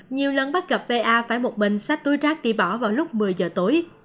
nhiều lần bắt gặp va phải một mình xách túi rác đi bỏ vào lúc một mươi h tối